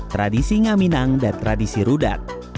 tradisi ngaminang dan tradisi rudat